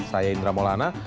saya indra molana